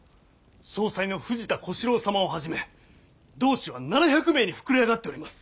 総裁の藤田小四郎様をはじめ同志は７００名に膨れ上がっております。